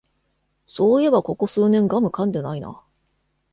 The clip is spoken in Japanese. そういえばここ数年ガムかんでないな